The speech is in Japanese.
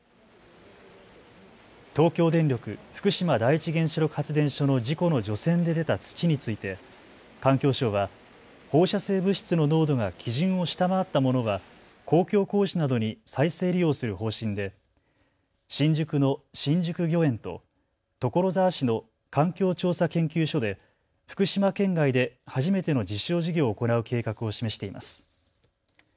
東京電力福島第一原子力発電所の事故の除染で出た土について環境省は放射性物質の濃度が基準を下回ったものは公共工事などに再生利用する方針で新宿の新宿御苑と所沢市の環境調査研究所で福島県外で初めての実証事業を行う計画を示しています。